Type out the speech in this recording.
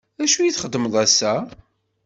D acu i txedmeḍ ass-a?